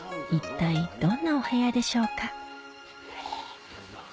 一体どんなお部屋でしょうか？